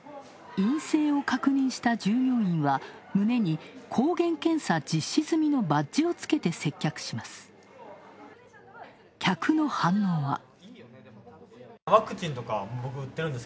陰性を確認した従業員は胸に「抗原検査実施済み」のバッジをつけて接客します。